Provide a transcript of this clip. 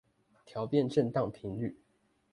調變振盪頻率